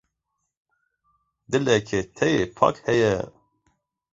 Dilekî te yê pak heye.